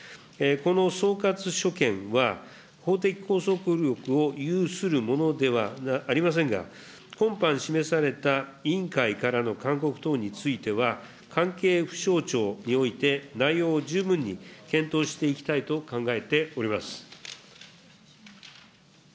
この総括所見は、法的拘束力を有するものではありませんが、今般、示された委員会からの勧告等については、関係府省庁において、内容を十分に検討していきたいと考えております。